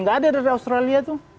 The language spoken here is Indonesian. nggak ada dari australia tuh